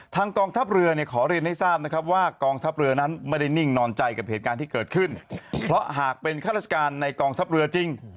กองทัพเรือเนี่ยขอเรียนให้ทราบนะครับว่ากองทัพเรือนั้นไม่ได้นิ่งนอนใจกับเหตุการณ์ที่เกิดขึ้นเพราะหากเป็นข้าราชการในกองทัพเรือจริง